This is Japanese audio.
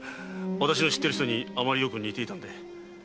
私の知ってる人にあまりよく似ていたので。